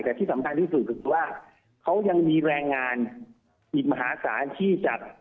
แต่ที่สำคัญที่สุดคือว่าเขายังมีแรงงานอิมหาศาล